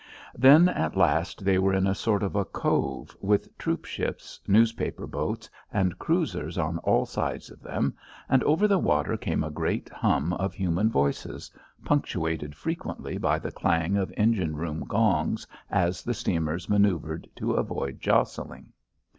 Then at last they were in a sort of a cove, with troopships, newspaper boats, and cruisers on all sides of them, and over the water came a great hum of human voices, punctuated frequently by the clang of engine room gongs as the steamers manoeuvred to avoid jostling.